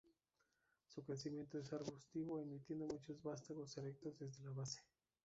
Su crecimiento es arbustivo emitiendo muchos vástagos erectos desde la base.